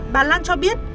bà lan cho biết